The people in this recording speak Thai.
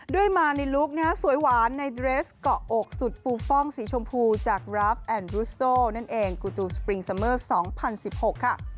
มาในลุคนะฮะสวยหวานในเดรสเกาะอกสุดฟูฟ่องสีชมพูจากดราฟแอนดรุสโซนั่นเองกูตูสปริงซัมเมอร์๒๐๑๖ค่ะ